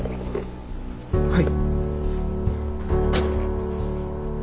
はい。